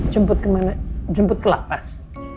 jemput kemana jemput ke lapas